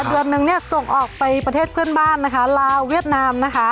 เดือนนึงเนี่ยส่งออกไปประเทศเพื่อนบ้านนะคะลาวเวียดนามนะคะ